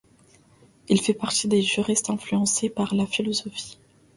Il fait partie des juristes influencés par la philosophie.